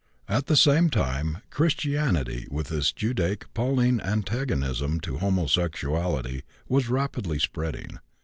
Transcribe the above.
At the same time, Christianity, with its Judaic Pauline antagonism to homosexuality, was rapidly spreading.